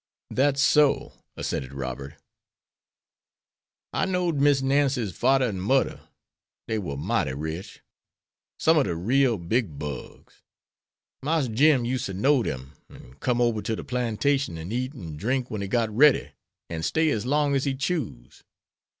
"That's so," assented Robert. "I know'd Miss Nancy's fadder and mudder. Dey war mighty rich. Some ob de real big bugs. Marse Jim used to know dem, an' come ober ter de plantation, an' eat an' drink wen he got ready, an' stay as long as he choose.